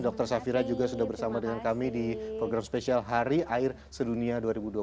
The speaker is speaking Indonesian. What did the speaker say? dan dr safira juga sudah bersama dengan kami di program spesial hari air sedunia dua ribu dua puluh tiga